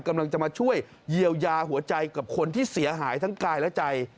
กำลังจะมาช่วยเยียวยาหัวใจกับคนที่เสียหายทั้งกายและใจ